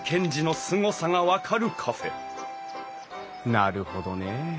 なるほどねえ。